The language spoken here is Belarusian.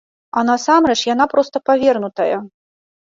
А насамрэч яна проста павернутая!